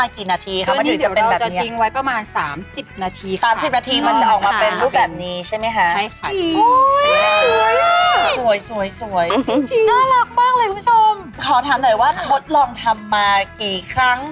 คนไทยชอบภาพสั่งทำค่ะสั่งกิน